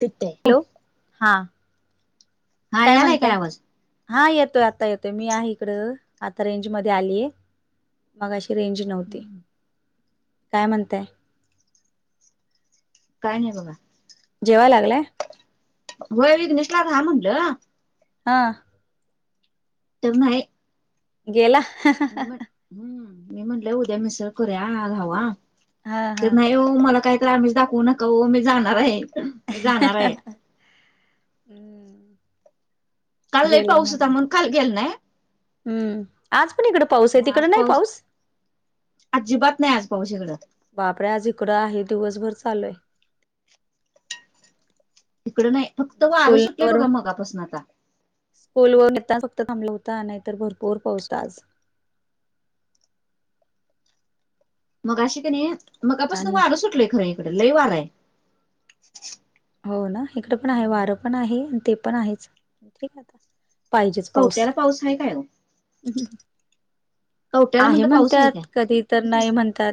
तिथ्थ्य येऊ? हा हा काय यालाय म्हणताय? आवाज हा येतोय आता येतोय मी आहे इकडं, आता रेंज मध्ये आलीये, मघाशी रेंज नव्हते, काय म्हणताय? काय नही बघा. जेवाया लागलाय? होय विघ्नेशला राहा. म्हणलं. हं तुमहीय गेला हा हा हा. हम्म मी म्हणलं, उद्या मिसळ करूया. आज हवा हा हा तर नाही हो मला काय काही अमिश दाखवू नका ओ मी जाणार आहे, मी जाणार आहे हम् काल लयी पाऊस होता म्हणून खाली गेल नाहि. हम्म, आज पण इकडं पाऊस आहे तिकडे नाही पाऊस? अजिबात नाही आज पाऊस इकडं. बापरे आज इकडं आहे, दिवसभर चालूय. इकडं नाही फक्त वारं स्कूल सुटलेय बघा मघापासनं आता. पोलवरून येताना फक्त थांबला होता, नाहीतर भरपूर पाऊसय आज. मघाशी कं नही, मगापासनं आणि वारं सुटलंय खरं इकडे. लई वारा आहे हो ना इकडे पण आहे, वारं पण आहे. आणि ते पण आहेच ठीक आहे आता. कवट्याला पाऊस आहे काय ओ? कवट्याला आहे म्हटलं पाऊस म्हणत्यात, काय कधी तर नाही म्हणतात.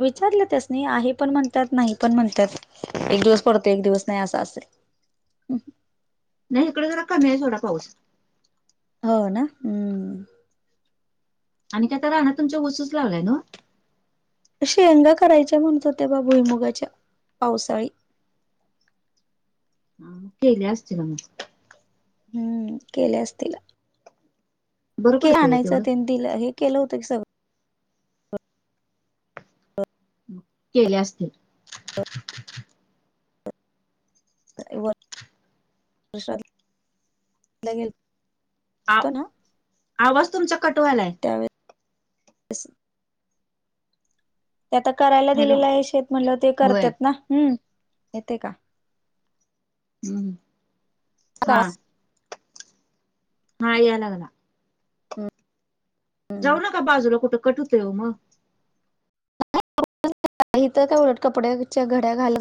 विचारलं त्यासनी, आहे पण म्हणत्यात, नाही पण म्हणत्यात. एक दिवस पडतो, एक दिवस नाही असं असेल. नाही इकडे जरा कमी आहे थोडा पाऊस. हो ना? हू. आणि काय त्या रानात तुमच्या ऊसच लावलाय नव्ह? शेंगा करायच्या म्हणत होते बा भुईमुगाच्या पावसाळी. हा केल्या असतील ना मं. हम्म केल्या असतिला. बरं के पडतंय ग आणायचं तेवढं त्यांनी दिलं हे केलं होतं कि सगळं. मं केल्या असतील. वर्षश्राद्धला आ गेलतोना आवाज तुमचा कटवायलाय. त्यामुळे असं ते आता करायला हॅलो दिलेलं आहे शेत म्हणल्यावर ते होय करत्यात ना. हम् येतंय का? हम्म हा हा याया लागला. हम्म जाऊ नका बाजूला कुठं, कट होतोय वो मग. [inaudible] तर त्या उलट कपड्याच्या घड्या घालत